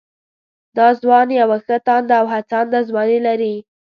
دا ځوان يوه ښه تانده او هڅانده ځواني لري